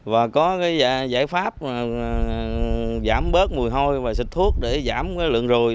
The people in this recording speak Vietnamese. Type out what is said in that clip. và có giải pháp giảm bớt mùi hôi và xịt thuốc để giảm lượng ruồi